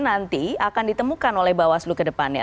nanti akan ditemukan oleh bawaslu ke depannya